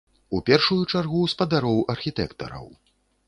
У першую чаргу спадароў архітэктараў.